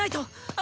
あ。